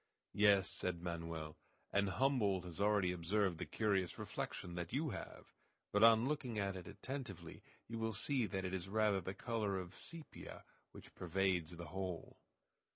"Yes," said Manoel, "and Humboldt has already observed the curious reflection that you have; but on looking at it attentively you will see that it is rather the color of sepia which pervades the whole."